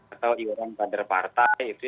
atau iuran pader partai